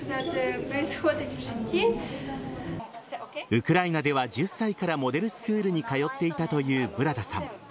ウクライナでは１０歳からモデルスクールに通っていたというブラダさん。